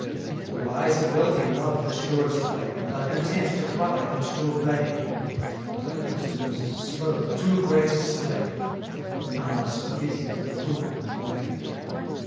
The wise and wealthy love the surest way, And are content to thrive and to obey. But wisdom is to sloth too great a slave; None are so busy as the fool and knave.